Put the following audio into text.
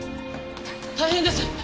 大変です！